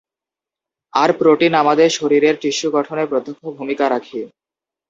আর protein আমাদের শরীরের tissue গঠনে প্রত্যক্ষ ভূমিকা রাখে।